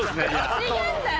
違えんだよ！